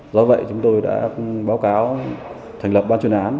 do vậy chúng tôi đã báo cáo thành lập ban chuyên án